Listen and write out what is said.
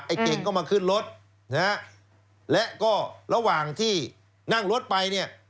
เก่งก็มาขึ้นรถนะฮะและก็ระหว่างที่นั่งรถไปเนี่ย